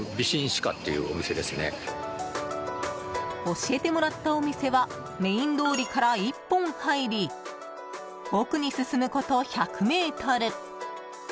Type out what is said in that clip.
教えてもらったお店はメイン通りから１本入り奥に進むこと１００ｍ。